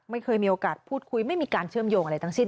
ไม่เคยมีโอกาสพูดคุยไม่มีการเชื่อมโยงอะไรทั้งสิ้น